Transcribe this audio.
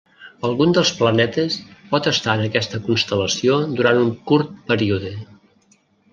Algun dels planetes pot estar en aquesta constel·lació durant un curt període.